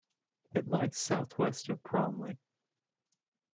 It lies south west of Bromley.